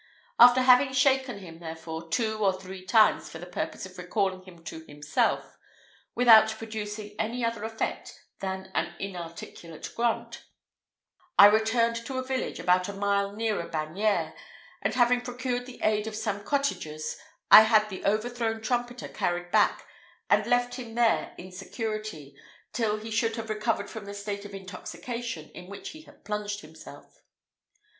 After having shaken him, therefore, two or three times for the purpose of recalling him to himself, without producing any other effect than an inarticulate grunt, I returned to a village about a mile nearer Bagneres, and having procured the aid of some cottagers, I had the overthrown trumpeter carried back, and left him there in security, till he should have recovered from the state of intoxication in which he had plunged himself.